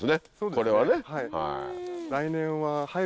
これはね。